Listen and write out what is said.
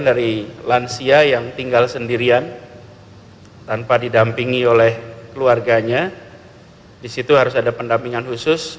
jadi dari lansia yang tinggal sendirian tanpa didampingi oleh keluarganya disitu harus ada pendampingan khusus